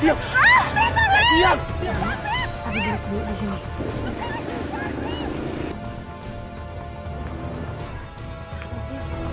jangan beres lepas